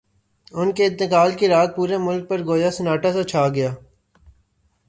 ان کے انتقال کی رات پورے ملک پر گویا سناٹا سا چھا گیا۔